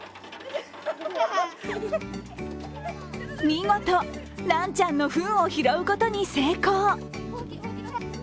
見事、らんちゃんのふんを拾うことに成功。